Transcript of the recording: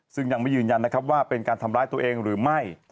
ซึ่งยังไม่ยืนยันนะครับว่าเป็นการทำร้ายตัวเองหรือไม่